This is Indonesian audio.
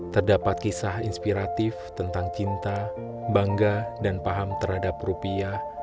terdapat kisah inspiratif tentang cinta bangga dan paham terhadap rupiah